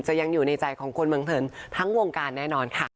ยังอยู่ในใจของคนเมืองเทินทั้งวงการแน่นอนค่ะ